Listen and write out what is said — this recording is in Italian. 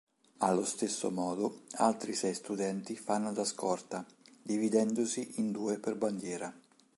Allo stesso modo, altri sei studenti fanno da scorta, dividendosi in due per bandiera.